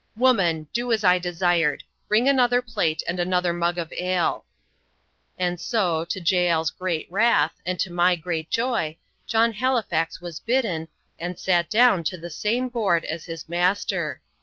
"Woman, do as I desired. Bring another plate, and another mug of ale." And so, to Jael's great wrath, and to my great joy, John Halifax was bidden, and sat down to the same board as his master.